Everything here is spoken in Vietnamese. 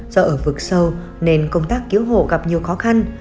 do ở vực sâu nên công tác cứu hộ gặp nhiều khó khăn